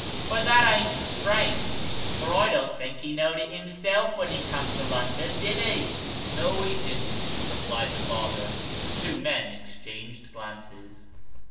But that ain't strange, for I don't think he know'd it himself, when he come to London, did he ?"" No, he didn't," replied the father. The two men exchanged glances.